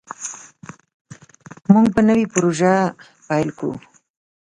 موږ به نوې پروژه پیل کړو.